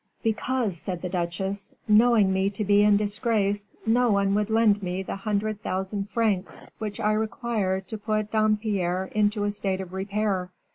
"Because," said the duchesse, "knowing me to be in disgrace, no one would lend me the hundred thousand francs, which I require to put Dampierre into a state of repair.